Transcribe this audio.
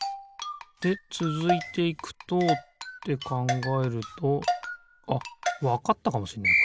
でつづいていくとってかんがえるとあっわかったかもしんない